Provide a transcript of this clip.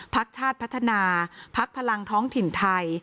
ภักดิ์ชาติพัฒนาภักดิ์พลังท้องถิ่นไทย